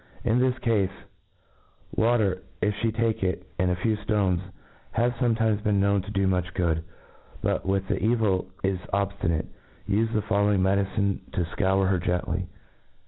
In this cafe, water, if fhc take it, and a few ftones, have fometimes been known to do much good j but^ when the evil i$ obilinate^ ufc the following medicine to fcour hti gently.